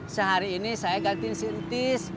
sehari ini saya gantiin si tis